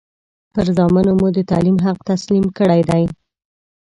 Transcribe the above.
پر زامنو مو د تعلیم حق تسلیم کړی دی.